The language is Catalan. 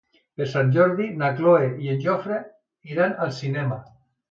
Per Sant Jordi na Cloè i en Jofre iran al cinema.